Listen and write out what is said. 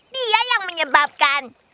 dia yang menyebabkan